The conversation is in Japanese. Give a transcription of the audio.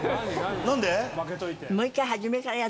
何で？